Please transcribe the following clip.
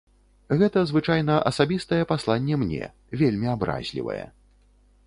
Гэта звычайна асабістае пасланне мне, вельмі абразлівае.